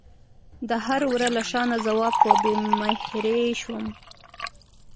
د هر وره له شانه ځواب په بې مهرۍ شوم